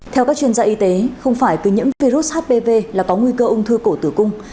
theo các chuyên gia y tế không phải từ nhiễm virus hpv là có nguy cơ ung thư cổ tử cung